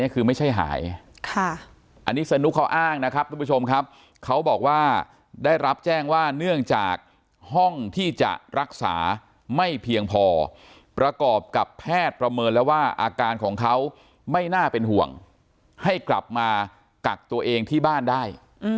เขาบอกว่าได้รับแจ้งว่าเนื่องจากห้องที่จะรักษาไม่เพียงพอประกอบกับแพทย์ประเมินแล้วว่าอาการของเขาไม่น่าเป็นห่วงให้กลับมากักตัวเองที่บ้านได้